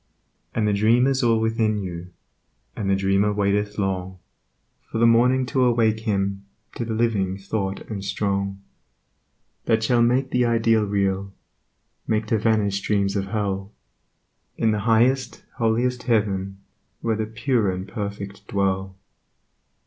And the Dream is all within you, And the Dreamer waiteth long For the Morning to awake him To the living thought and strong. That shall make the ideal real, Make to vanish dreams of hell In the highest, holiest heaven Where the pure and perfect dwell.